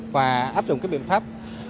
và áp dụng các biện pháp